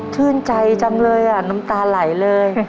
ชื่นใจจังเลยอ่ะน้ำตาไหลเลย